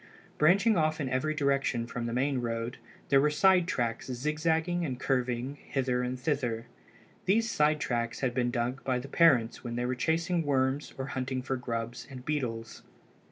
Branching off in every direction from the main road there were side tracks zigzagging and curving hither and thither. These side tracks had been dug by the parents when they were chasing worms or hunting for grubs and beetles.